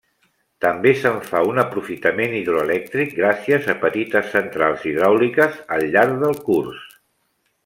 També se'n fa un aprofitament hidroelèctric gràcies a petites centrals hidràuliques al llarg del curs.